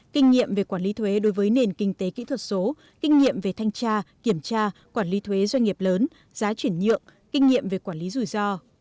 kinh nghiệm về quản lý thuế đối với nền kinh tế kỹ thuật số kinh nghiệm về thanh tra kiểm tra quản lý thuế doanh nghiệp lớn giá chuyển nhượng kinh nghiệm về quản lý rủi ro